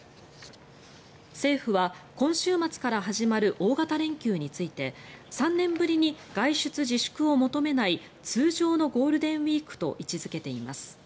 政府は今週末から始まる大型連休について３年ぶりに外出自粛を求めない通常のゴールデンウィークと位置付けています。